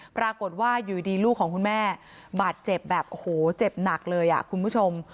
ปรากฏว่าอยู่ดีลูกของคุณแม่บาดเจ็บแบบโอ้โหเจ็บหนักเลยคุณผู้ชม